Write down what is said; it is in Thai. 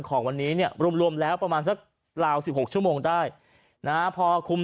ของวันนี้เนี่ยรวมรวมแล้วประมาณสักราว๑๖ชั่วโมงได้นะพอคุม